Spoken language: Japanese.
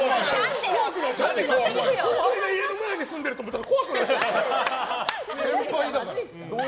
後輩が家の前に住んでると思ったら怖くなっちゃって。